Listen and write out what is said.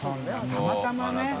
たまたまね。